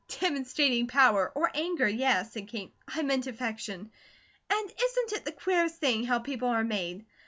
"Demonstrating power, or anger, yes," said Kate. "I meant affection. And isn't it the queerest thing how people are made?